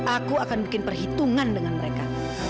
aku akan bikin perhitungan dengan mereka